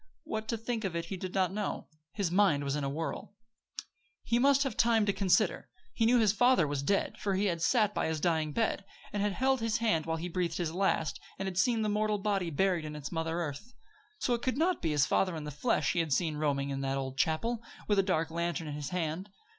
What to think of it he did not know. His mind was in a whirl. He must have time to consider. He knew his father was dead; for he had sat by his dying bed, and had held his hand while he breathed his last, and had seen the mortal body buried in its mother earth. So, it could not be his father in the flesh he had seen roaming in that old chapel, with a dark lantern in his hand.